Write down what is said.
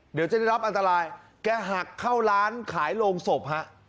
เดี๋ยวจะได้รับอันตรายแกหักเข้าร้านขายโรงศพฮะ